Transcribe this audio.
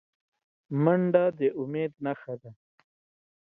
منډه د امید نښه ده